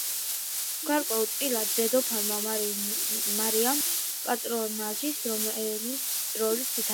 გარკვეულწილად დედოფალმა მარიამ საფრანგეთში კულტურის პატრონაჟის როლიც ითამაშა.